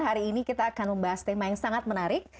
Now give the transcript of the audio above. hari ini kita akan membahas tema yang sangat menarik